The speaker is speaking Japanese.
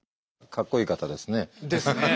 かっこいいですね。